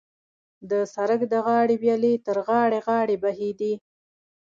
د سړک د غاړې ویالې تر غاړې غاړې بهېدې.